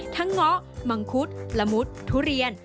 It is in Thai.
ทั้งง๊อกมังคุดละมุดทุเรียน